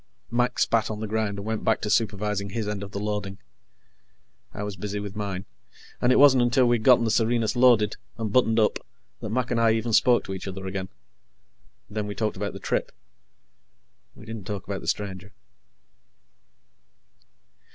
Mac spat on the ground and went back to supervising his end of the loading. I was busy with mine, and it wasn't until we'd gotten the Serenus loaded and buttoned up that Mac and I even spoke to each other again. Then we talked about the trip. We didn't talk about the stranger.